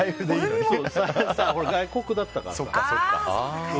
外国だったから。